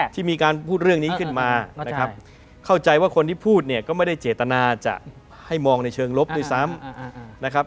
ที่มีการพูดเรื่องนี้ขึ้นมานะครับเข้าใจว่าคนที่พูดเนี่ยก็ไม่ได้เจตนาจะให้มองในเชิงลบด้วยซ้ำนะครับ